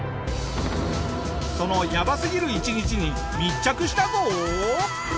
そのやばすぎる１日に密着したぞ。